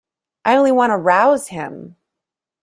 I only want to rouse him.